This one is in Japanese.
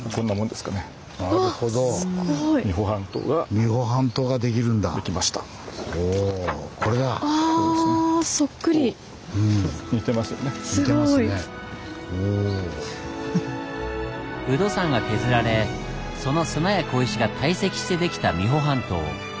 すごい！有度山が削られその砂や小石が堆積してできた三保半島。